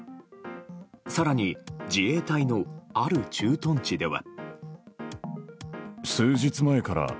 更に、自衛隊のある駐屯地では。